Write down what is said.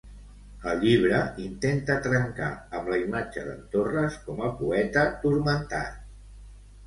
El llibre intenta trencar amb la imatge d'en Torres com a poeta "turmentat".